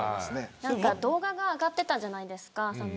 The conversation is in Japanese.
なんか、動画が上がってたじゃないですか。